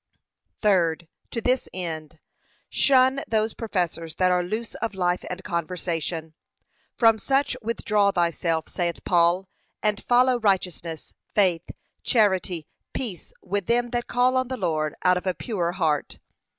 Third, To this end, shun those professors that are loose of life and conversation: 'From such withdraw thyself,' saith Paul, and follow 'righteousness, faith, charity, peace, with them that call on the Lord out of a pure heart.'